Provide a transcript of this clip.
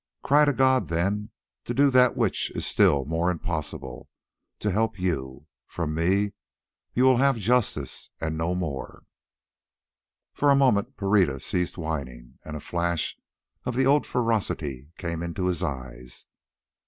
Cry to God, then, to do that which is still more impossible—to help you. From me you will have justice and no more." For a moment Pereira ceased whining, and a flash of the old ferocity came into his eyes.